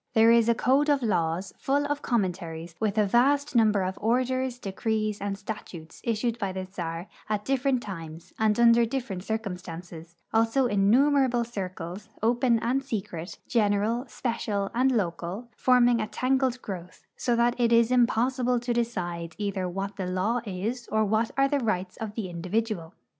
There is a code of laws, full of commentaries, with a vast num l)er of orders, decrees, and statutes issued by the czar at differ ent times and under different circumstances; also innumerable circulars, open and secret, general, special, and local, forming a tangled growth, so that it is impossible to decide either what the law is or what are the rights of the individual.